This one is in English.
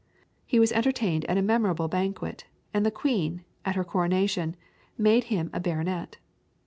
He was entertained at a memorable banquet, and the Queen, at her coronation, made him a baronet.